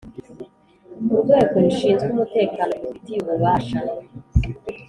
Urwego rushinzwe umutekano rubifitiye ububasha